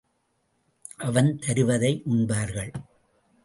அவன் தருவதை உண்பார்கள்.